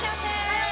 はい！